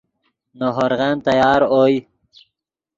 نے ہورغن تیار اوئے